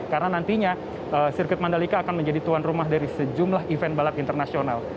karena nantinya sirkuit mandalika akan menjadi tuan rumah dari sejumlah event balap internasional